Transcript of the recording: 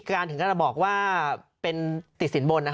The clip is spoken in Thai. การหากถึงบอกว่าเป็นติดสินบน